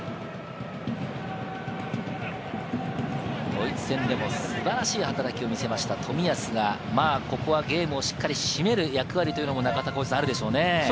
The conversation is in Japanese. ドイツ戦でも素晴らしい働きを見せました、冨安、ここはゲームをしっかり締める役割もあるでしょうね。